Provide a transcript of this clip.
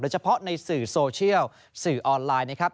เฉพาะในสื่อโซเชียลสื่อออนไลน์นะครับ